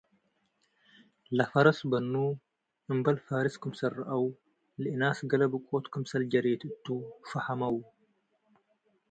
ለፈረስ በኑ እምበል ፋርስ ክምሰል ረአው ለእናስ ገሌ ብቆት ክምሰል ጀሬት እቱ' ፈሀመው።